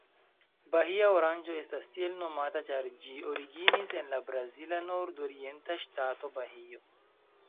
Bahia oranĝo estas tiel nomata ĉar ĝi originis en la brazila nordorienta ŝtato Bahio.